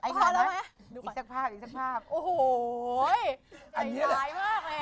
ดายหลายมากเลยอะ